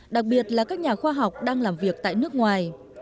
đặc biệt là các nhà khoa học đang làm việc tại nước ngoài